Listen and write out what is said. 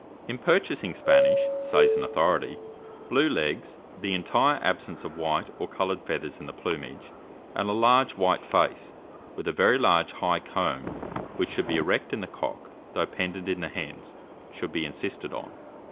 "In purchasing Spanish," says an authority, "blue legs, the entire absence of white or coloured feathers in the plumage, and a large, white face, with a very large high comb, which should be erect in the cock, though pendent in the hens, should be insisted on."